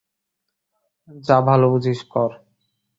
যা ভালো বুঝিস কর।